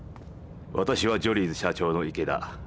私はジョリーズ社長の池田。